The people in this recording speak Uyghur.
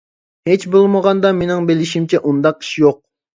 ھېچ بولمىغاندا مېنىڭ بىلىشىمچە ئۇنداق ئىش يوق.